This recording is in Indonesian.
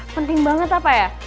penting banget apa ya